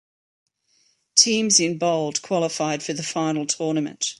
Teams in bold qualified for the final tournament.